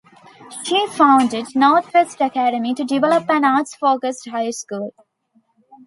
She founded Northwest Academy to develop an arts-focused high school.